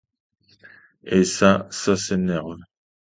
Et ça, ça énerve.